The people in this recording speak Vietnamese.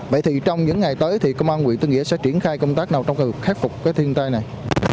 vậy thì trong những ngày tới thì công an quyện tân nghĩa sẽ triển khai công tác nào trong việc khắc phục cái thiên tai này